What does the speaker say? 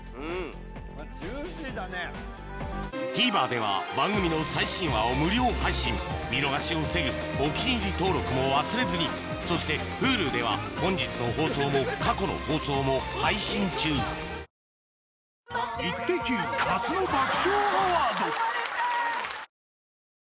ＴＶｅｒでは番組の最新話を無料配信見逃しを防ぐ「お気に入り」登録も忘れずにそしてＨｕｌｕでは本日の放送も過去の放送も配信中キャー！！！